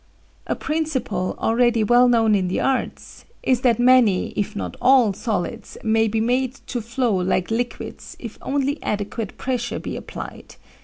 "A principle, already well known in the arts, is that many, if not all, solids may be made to flow like liquids if only adequate pressure be applied.